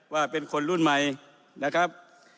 ว่าเป็นคนรุ่นใหม่นะครับ